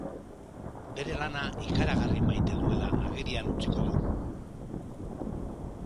Bere lana ikaragarri maite duela agerian utziko du.